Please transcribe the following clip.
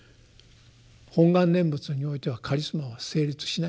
本願念仏においてはカリスマは成立しないんです。